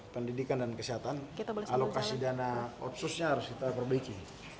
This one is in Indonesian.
pendidikan dan kesehatan alokasi dana otsusnya harus kita perbaiki